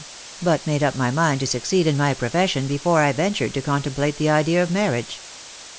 but made up my mind to succeed in my profession before I ventured to contemplate the idea of marriage."